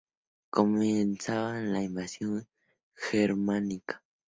Comenzaba la invasión germánica.